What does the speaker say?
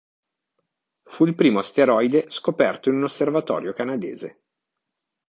Fu il primo asteroide scoperto in un osservatorio canadese.